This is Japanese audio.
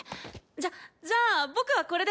じゃじゃあ僕はこれで。